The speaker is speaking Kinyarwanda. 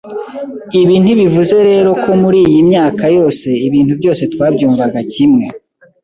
Ibi ntibivuze rero ko muri iyi myaka yose ibintu byose twabyumvaga kimwe,